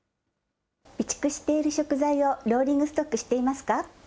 備蓄している食材をローリングストックしていますか。